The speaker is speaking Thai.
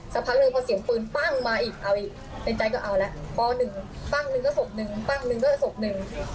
สักพักหนึ่งพอเสียงปืนปั้งมาอีกเอาอีกในใจก็เอาแล้วป๑ปั้งหนึ่งก็ศพหนึ่งปั้งหนึ่งก็ศพหนึ่ง